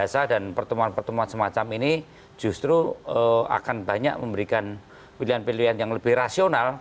jadi kita harus melakukan komunikasi